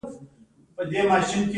فېسبوک یوه ټولنیزه شبکه ده